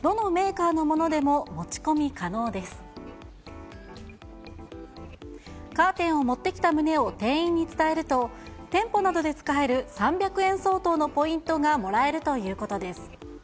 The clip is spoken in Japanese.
カーテンを持ってきた旨を店員に伝えると、店舗などで使える３００円相当のポイントがもらえるということです。